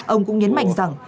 ông cũng nhấn mạnh rằng